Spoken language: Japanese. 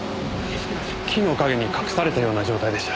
木の陰に隠されたような状態でした。